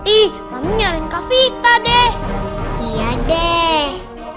ih mami nyaring kavita deh iya deh